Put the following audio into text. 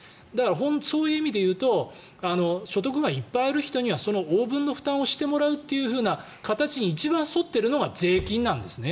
そういう意味でいうと所得がいっぱいある人にはその応分の負担をしてもらうという形に一番沿っているのが税金なんですね。